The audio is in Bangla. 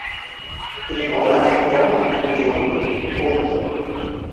তিনি মওলানা কেরামত আলী জৌনপুরীর পৌত্র।